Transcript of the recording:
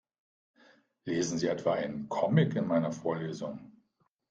Lesen Sie etwa einen Comic in meiner Vorlesung?